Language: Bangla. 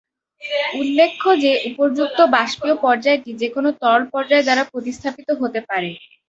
উল্লেখ্য যে, উপর্যুক্ত বাস্পীয় পর্যায়টি যেকোনো তরল পর্যায় দ্বারা প্রতিস্থাপিত হতে পারে।